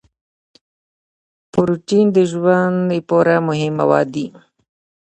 پروټین د ژوند لپاره مهم مواد دي